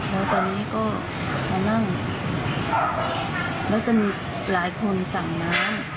แล้วตอนนี้ก็มานั่งแล้วจะมีหลายคนสั่งน้ำ